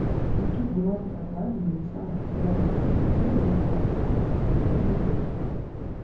І тут двума перакладамі не самых папулярных фільмяцоў ды двума часопісамі не абыдзешся.